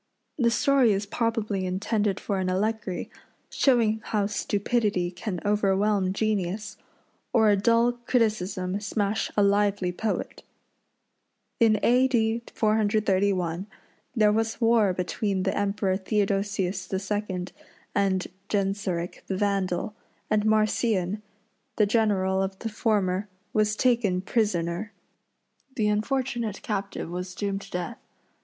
The story is probably intended for an allegory, showing how stupidity can overwhelm genius, or a dull criticism smash a lively poet. In A. D. 431 there was war between the Emperor Theodosius II. and Genseric the Vandal, and Marcian, the general of the former, was taken prisoner. The unfortunate captive was doomed to death.